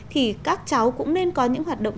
thì các cháu cũng nên có những hoạt động